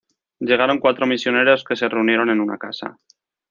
Llegaron cuatro misioneros que se reunieron en una casa.